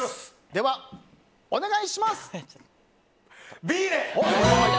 では、お願いします。